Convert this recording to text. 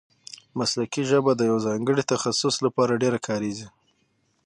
مسلکي ژبه د یوه ځانګړي تخصص له پاره ډېره کاریږي.